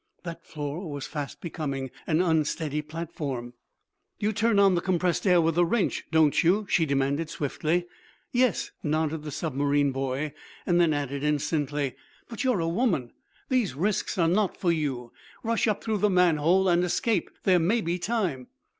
That floor was fast becoming an unsteady platform. "You turn on the compressed air with a wrench, don't you?" she demanded, swiftly. "Yes," nodded the submarine boy. Then added, instantly: "But you're a woman. These risks are not for you. Rush up through the manhole and escape. There may be time."